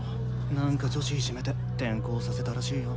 なんか女子いじめて転校させたらしいよ。